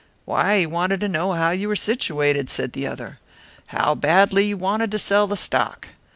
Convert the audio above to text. "Why, he wanted to know how you were situated," said the other "how badly you wanted to sell the stock.